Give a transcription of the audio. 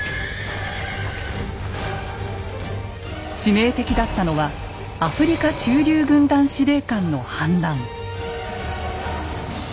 致命的だったのはアフリカ駐留軍団司令官の反乱。